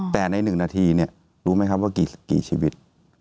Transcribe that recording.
แต่ใน๑นาทีรู้ไหมครับว่ากี่ชีวิต